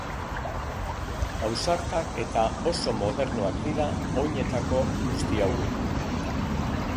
Ausartak eta oso mdoernoak dira oinetako guzti hauek.